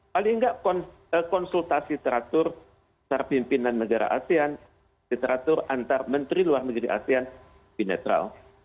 paling nggak konsultasi teratur secara pimpinan negara asean literatur antar menteri luar negeri asean binetral